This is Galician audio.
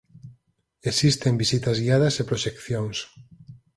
Existen visitas guiadas e proxeccións.